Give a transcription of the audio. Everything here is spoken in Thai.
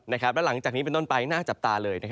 และหลังจากนี้เป็นต้นไปน่าจับตาเลย